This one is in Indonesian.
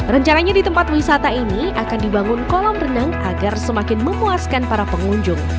rencananya di tempat wisata ini akan dibangun kolam renang agar semakin memuaskan para pengunjung